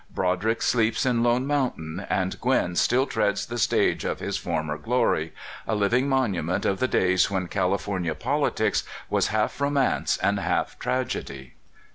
Broderick sleeps in Lone Mountain, and Gwin still treads the stage of his former glor}^, a living monument of the days when California politics was half ro mance and half tragedy.